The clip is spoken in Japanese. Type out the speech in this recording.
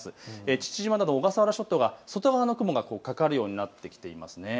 父島など小笠原諸島、雲がかかるようになってきています。